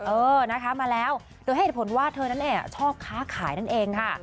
เออนะคะมาแล้วเธอให้เหตุผลว่าเธอนั้นเนี่ยชอบค้าขายนั่นเองค่ะ